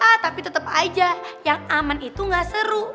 ah tapi tetap aja yang aman itu nggak seru